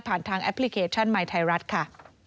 ทางแอปพลิเคชันใหม่ไทยรัฐค่ะ